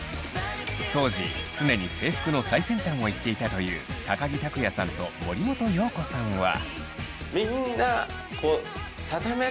当時常に制服の最先端をいっていたという木琢也さんと森本容子さんは。